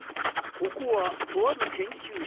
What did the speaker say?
ここはとある研究室。